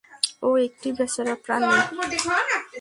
ও একটি বেচারা প্রাণী।